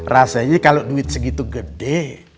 rasanya kalau duit segitu gede